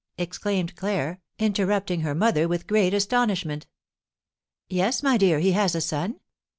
exclaimed Claire, interrupting her mother with great astonishment. "Yes, my dear, he has a son."